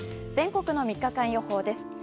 全国の３日間予報です。